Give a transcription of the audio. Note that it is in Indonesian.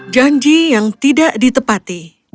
janji yang tidak ditepati